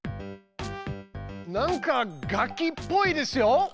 なんか楽器っぽいですよ。